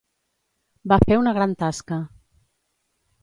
Va fer una gran tasca.